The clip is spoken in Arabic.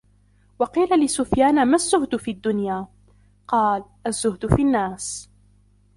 وَقِيلَ لِسُفْيَانَ مَا الزُّهْدُ فِي الدُّنْيَا ؟ قَالَ الزُّهْدُ فِي النَّاسِ